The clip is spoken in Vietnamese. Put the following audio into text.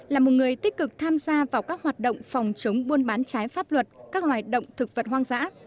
là một người tích cực tham gia vào các hoạt động phòng chống buôn bán trái pháp luật các loài động thực vật hoang dã